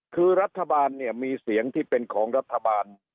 คือรัฐบาลเนี่ยมีเสียงที่เป็นของรัฐบาล